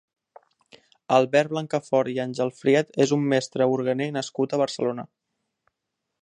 Albert Blancafort i Engelfried és un mestre orguener nascut a Barcelona.